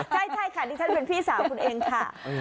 ใช่ใช่ค่ะเท่านี้ฉันเป็นพี่สาวคุณเองค่ะหืม